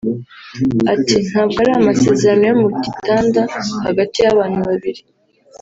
Ati “Ntabwo ari amasezerano yo mu gitanda hagati y’abantu babiri